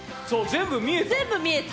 全部見えた！